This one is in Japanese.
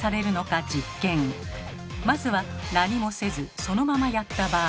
まずは何もせずそのままやった場合。